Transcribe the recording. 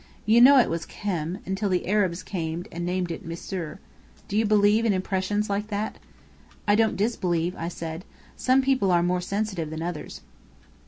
You know it was Khem, until the Arabs came and named it Misr. Do you believe in impressions like that?" "I don't disbelieve," I said. "Some people are more sensitive than others."